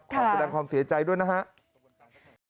ขอบคุณต่างความเสียใจด้วยนะครับ